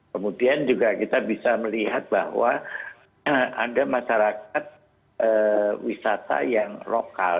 kemudian juga kita bisa melihat bahwa ada masyarakat wisata yang lokal